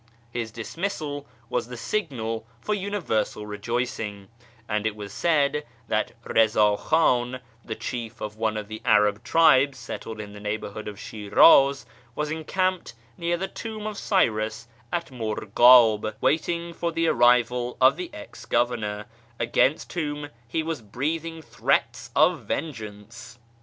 His dismissal was the signal for universal rejoicing, and it was said that Eiza Khan, the chief of one of the Arab tribes settled in the neighbourhood of Shi'raz, was encamped near the Tomb of Cyrus at Murghab, waiting for the arrival of the ex governor, against whom he was breathing threats of vengeance.